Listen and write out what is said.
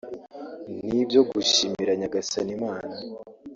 ni ibyo gushimira Nyagasani Imana